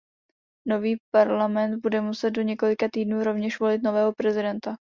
Nový parlament bude muset do několika týdnů rovněž volit nového prezidenta.